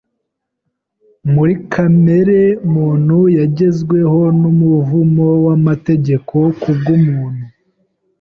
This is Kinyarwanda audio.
—muri kamere muntu yagezweho n’umuvumo w’amategeko ku bw’umuntu